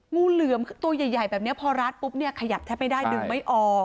งูเหลือมตัวใหญ่แบบนี้พอรัดปุ๊บเนี่ยขยับแทบไม่ได้ดึงไม่ออก